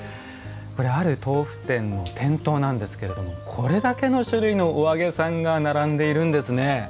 これある豆腐店の店頭なんですけれどもこれだけの種類のお揚げさんが並んでいるんですね。